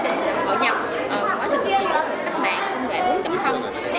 khi mà chúng ta đang tiến hành quá trình hội nhập quá trình hội nhập các bạn công nghệ bốn